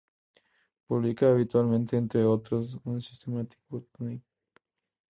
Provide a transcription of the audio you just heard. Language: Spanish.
Publica habitualmente, entre otros, en Systematic Botany.